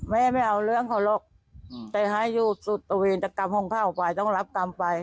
แม่ไม่เอาเรื่องของหลักแต่ให้อยู่สุธวีรตกรรมห้องพ่าของฝ่ายต้องรับตามไป